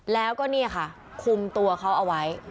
แล้วก็นี่ค่ะคุมตัวเขาเอาไว้